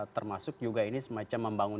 termasuk juga ini semacam membangun